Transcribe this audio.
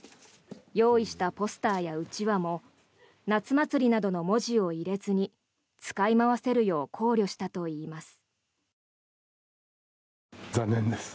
用意したポスターやうちわも夏祭りなどの文字を入れずに使い回せるよう考慮したといいます。